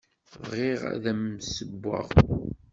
Bɣiɣ ad am-d-ssewweɣ.